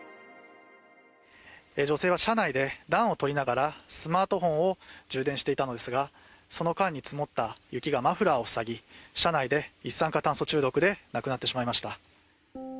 女性は車内で暖を取りながらスマートフォンを充電していたのですがその間に積もった雪がマフラーを塞ぎ車内で一酸化炭素中毒で亡くなってしまいました。